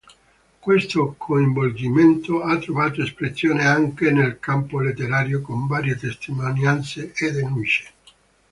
Questo coinvolgimento ha trovato espressione anche nel campo letterario con varie testimonianze e denunce.